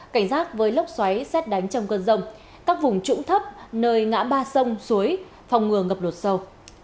cảnh giác với lốc xoáy xét đánh trong cơn rông các vùng trũng thấp nơi ngã ba sông suối phòng ngừa ngập lụt sâu